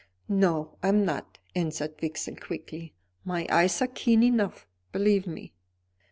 "No, I am not," answered Vixen quickly. "My eyes are keen enough, believe me."